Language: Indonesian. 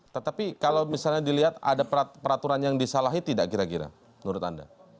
tetapi kalau misalnya dilihat ada peraturan yang disalahi tidak kira kira menurut anda